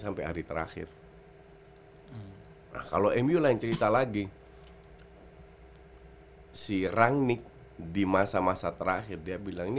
sampai hari terakhir kalau emiul yang cerita lagi hai sirang nick di masa masa terakhir dia bilang